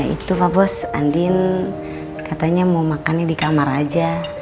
itu pak bos andin katanya mau makannya di kamar aja